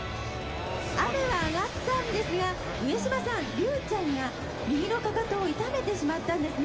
雨は上がったんですが、上島さん、竜ちゃんが右のかかとを痛めてしまったんですね。